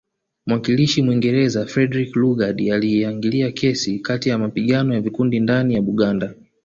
Mwakilishi Mwingereza Frederick Lugard aliingilia kijeshi kati ya mapigano ya vikundi ndani ya Buganda